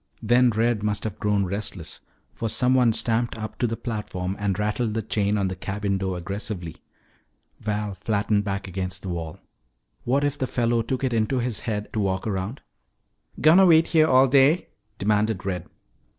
Then Red must have grown restless, for someone stamped up to the platform and rattled the chain on the cabin door aggressively. Val flattened back against the wall. What if the fellow took it into his head to walk around? "Gonna wait here all day?" demanded Red.